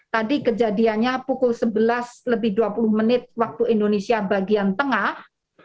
tadi kejadiannya pukul sebelas lebih dua puluh menit waktu indonesia bagian tengah